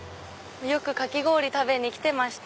よくかき氷食べに来てました。